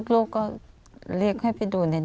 ลูกก็เรียกให้ดูได้